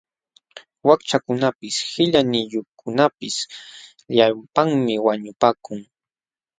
Wakchakunapis qillayniyuqkunapis llapanmi wañupakun.